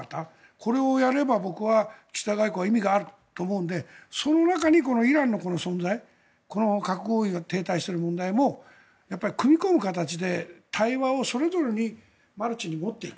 これをやれば僕は岸田外交は意味があると思うのでその中にイランの存在核合意が停滞している問題も組み込む形で対話をそれぞれにマルチに持っていく。